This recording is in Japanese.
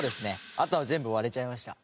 あとは全部割れちゃいました。